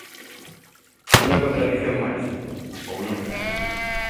Unha contradición máis, ou non.